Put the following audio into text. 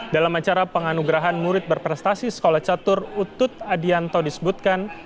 dalam acara penganugerahan murid berprestasi sekolah catur utut adianto disebutkan